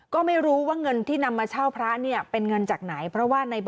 ก็ไม่รู้ว่าเงินที่นำมาเช่าพระเนี่ยเป็นเงินจากไหน